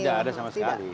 tidak ada sama sekali